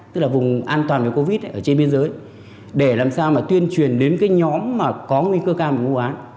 tức là vùng an toàn cho covid ở trên biên giới để làm sao mà tuyên truyền đến nhóm có nguy cơ cao bằng ngũ án